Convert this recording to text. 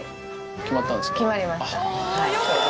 決まりました。